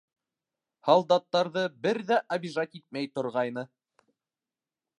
Һалдаттарҙы бер ҙә обижать итмәй торғайны.